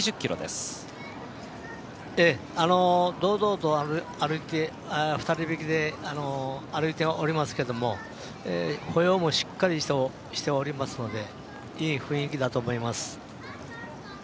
堂々と２人引きで歩いておりますけれど歩様としっかりとしておりましていい雰囲気だと思います。